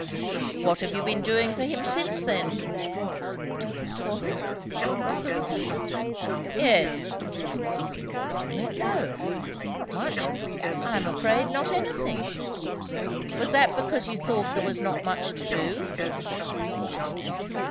"What have you been doing for him since then?" "Doing for him?" Rotha repeated. "Yes." "I do not know. Not much. I am afraid, not anything." "Was that because you thought there was not much to do?"